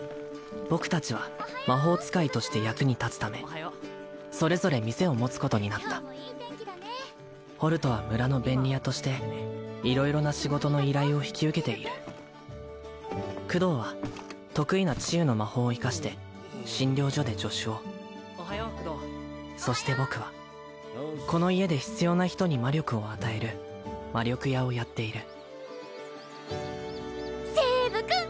僕達は魔法使いとして役に立つためそれぞれ店を持つことになったホルトは村の便利屋として色々な仕事の依頼を引き受けているクドーは得意な治癒の魔法を生かして診療所で助手をそして僕はこの家で必要な人に魔力を与える魔力屋をやっているセーブ君！